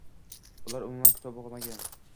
Ular umuman kitob o‘qimagan.